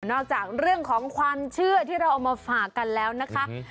จากเรื่องของความเชื่อที่เราเอามาฝากกันแล้วนะคะ